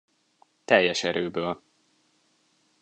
Teljes erőből.